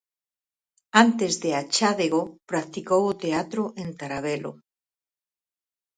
Antes de Achádego, practicou o teatro en Tarabelo.